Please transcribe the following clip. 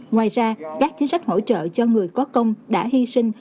ngoài ra các chính sách hỗ trợ cho người có công đã hy sinh